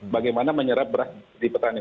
bagaimana menyerap beras di petani